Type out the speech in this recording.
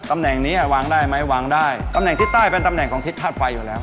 ตำแหน่งนี้วางได้ไหมวางได้ตำแหน่งทิศใต้เป็นตำแหน่งของทิศธาตุไฟอยู่แล้ว